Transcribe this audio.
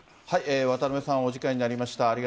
渡邉さん、お時間になりました。